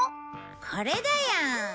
これだよ！